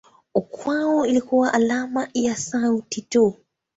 Kwao ilikuwa alama ya sauti tu.